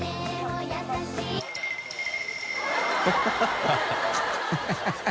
ハハハ